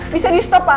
bisa di stop pak